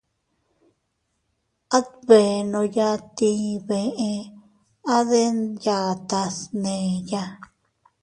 Adbenoya tii bee a deʼen yatas neʼeya.